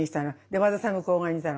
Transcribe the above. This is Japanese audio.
和田さんがここにいたの。